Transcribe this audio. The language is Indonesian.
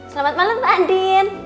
selamat malam mbak andin